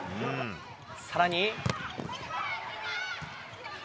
さらに。